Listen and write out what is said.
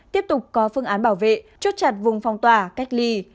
tiếp tục có phương án bảo vệ chốt chặt vùng phong tỏa cách ly